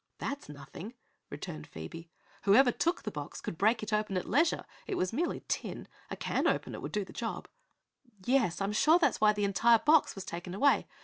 "That's nothing," returned Phoebe. "Whoever took the box could break it open at leisure. It was merely tin; a can opener would do the job." "Yes; I'm sure that was why the entire box was taken away.